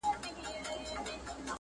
لوستونکي تر کندهار